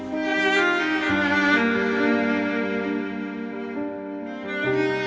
kenapa andin udah tidur sih